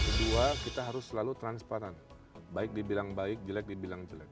kedua kita harus selalu transparan baik dibilang baik jelek dibilang jelek